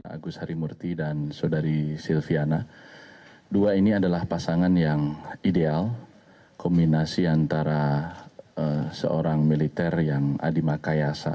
agus harimurti dan saudari silviana dua ini adalah pasangan yang ideal kombinasi antara seorang militer yang adi makayasa